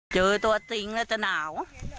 เจอตัวจริงแล้วจะหนาว